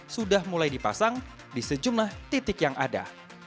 sudah mulai dipasang di sejumlah titik yang ada